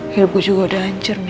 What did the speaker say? hilpu juga udah ancur mir